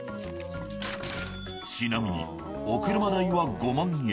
ちなみにお車代は５万円。